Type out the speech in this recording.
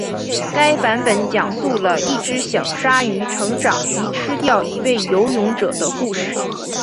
该版本讲述了一只小鲨鱼成长及吃掉一位游泳者的故事。